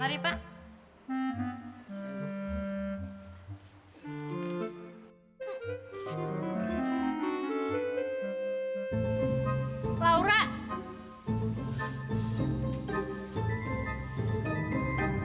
ya terima kasih ya pi